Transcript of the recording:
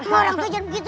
lu orang kejar begitu